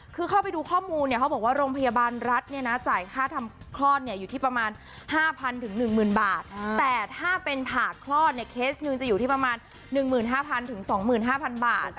คือเข้าไปดูข้อมูลเนี่ยเขาบอกว่าโรงพยาบาลรัฐเนี่ยนะจ่ายค่าทำคลอดเนี่ยอยู่ที่ประมาณ๕๐๐๑๐๐บาทแต่ถ้าเป็นผ่าคลอดเนี่ยเคสหนึ่งจะอยู่ที่ประมาณ๑๕๐๐๒๕๐๐บาท